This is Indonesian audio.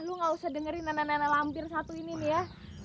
lu gak usah dengerin nenek nenek lampir satu ini nih ya